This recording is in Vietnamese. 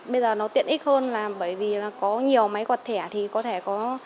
bây giờ nó tiện ích hơn là bởi vì là có nhiều máy quạt thẻ thì có thể có